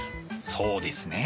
そうですね。